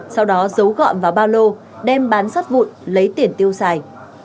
sau đó dấu gọn vào bao lô đem bán sắt vụn lấy tiền tiêu xài